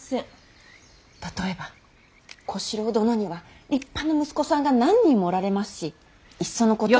例えば小四郎殿には立派な息子さんが何人もおられますしいっそのこと。